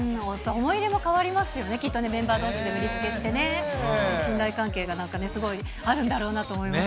思い入れも変わりますよね、きっとね、メンバーどうしで振り付けしてね、信頼関係がなんかすごいあるんだろうなと思います。